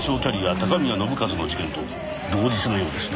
高宮信一の事件と同日のようですな。